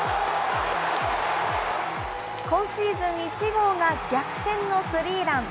今シーズン１号が、逆転のスリーラン。